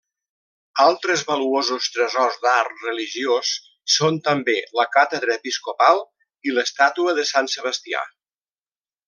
Altres valuosos tresors d'art religiós són també la Càtedra episcopal i l'estàtua de Sant Sebastià.